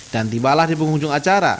dan tiba lah di penghujung acara